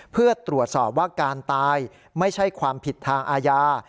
เพื่อตรวจสอบว่าการตายไม่ใช่ความผิดทางอาญา